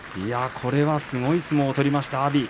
これはすごい相撲を取りました、阿炎は。